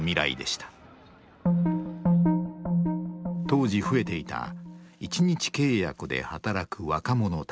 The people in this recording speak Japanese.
当時増えていた一日契約で働く若者たち。